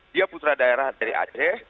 dia putra daerah dari aceh